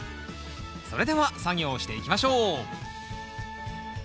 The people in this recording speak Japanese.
それでは作業していきましょう。